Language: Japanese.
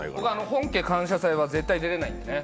本家「感謝祭」は絶対出れないんでね。